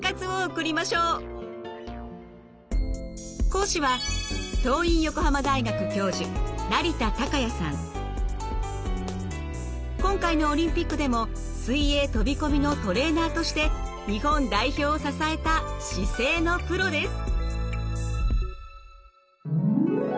講師は今回のオリンピックでも水泳飛び込みのトレーナーとして日本代表を支えた姿勢のプロです。